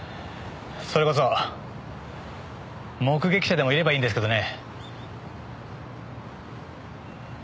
それこそ目撃者でもいればいいんですけどね。